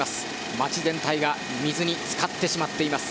町全体が水に浸かってしまっています。